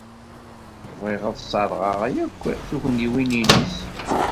Bɣiɣ ad tesserɣeḍ akk tugniwin-nnes.